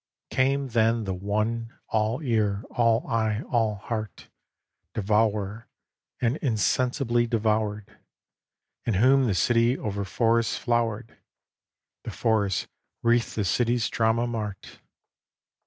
XXVI Came then the one, all ear, all eye, all heart; Devourer, and insensibly devoured; In whom the city over forest flowered, The forest wreathed the city's drama mart.